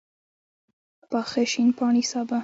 پاخه شین پاڼي سابه